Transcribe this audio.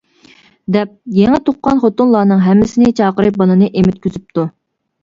-دەپ، يېڭى تۇغقان خوتۇنلارنىڭ ھەممىسىنى چاقىرىپ بالىنى ئېمىتكۈزۈپتۇ.